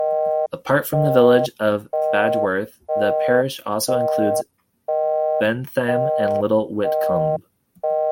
Apart from the village of Badgeworth the parish also includes Bentham and Little Witcombe.